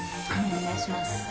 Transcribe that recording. お願いします。